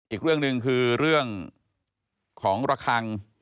อีกเรื่องหนึ่งคือเรื่องของระคัง